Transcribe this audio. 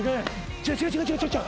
違う違う違う。